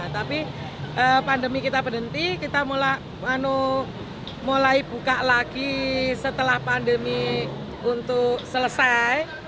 tapi pandemi kita berhenti kita mulai buka lagi setelah pandemi untuk selesai